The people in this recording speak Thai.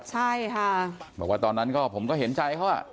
ใช่ค่ะบอกว่าตอนนั้นก็ผมก็เห็นใจเขา